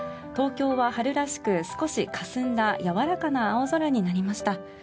東京は春らしく、少しかすんだやわらかな青空になりました。